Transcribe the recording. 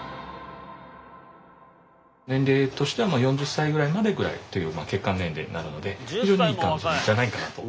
年齢としては４０歳ぐらいまでぐらいという血管年齢なので非常にいい感じじゃないかなと。